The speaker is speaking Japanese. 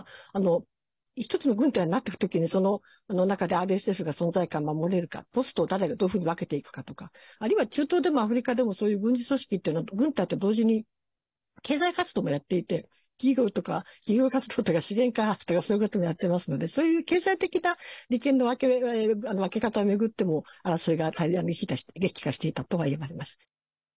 １つの軍隊になっていく時にその中でＲＳＦが存在感を守れるかポストを誰がどういうふうに分けていくかとかあるいは中東でもアフリカでもそういう軍事組織というのは軍隊と同時に経済活動もやっていて企業活動とか自然開発とかそういうこともやっていますのでそういう経済的な利権の分け方を巡っても争いが激化していったとはいわれます。